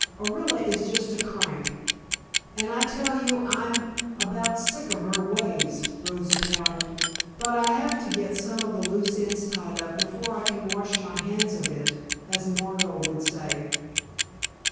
Orilla is just a crank, and I tell you I'm about sick of her ways," Rosa pouted. "But I have to get some of the loose ends tied up before I can wash my hands of it, as Margot would say."